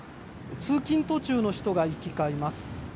通勤途中の人が行き交います。